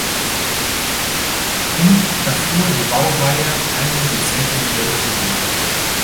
Im erfuhr die Baureihe eine dezente Modellpflege.